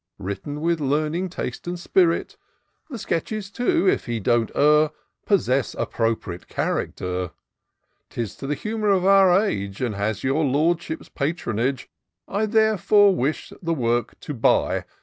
Written with learning, taste, and spirit ; The sketches too, if he don't err. Possess appropriate character ; 'Tis to the humour of our age. And has your Lordship's patronage ; I therefore wish the work to buy.